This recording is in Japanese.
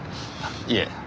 いえ